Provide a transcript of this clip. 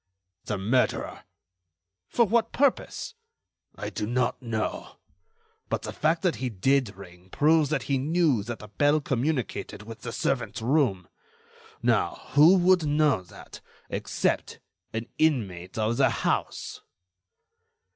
"The murderer." "For what purpose?" "I do not know. But the fact that he did ring proves that he knew that the bell communicated with the servant's room. Now, who would know that, except an inmate of the house?"